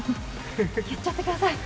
言っちゃってください。